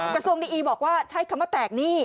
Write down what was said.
กระทรวงดีอีบอกว่าใช้คำว่าแตกหนี้